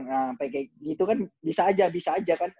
sampai kayak gitu kan bisa aja bisa aja kan